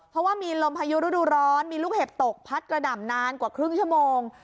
เพราะว่ามีลมพายุฤดูร้อนมีลูกเห็บตกพัดกระหน่ำนานกว่าครึ่งชั่วโมง